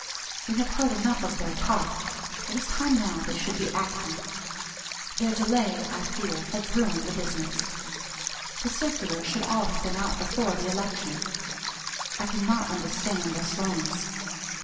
We have heard enough of their talk it is time now they should be acting. Their delay, I fear, has ruined the business. The circulars should all have been out before the election. I cannot understand their slowness.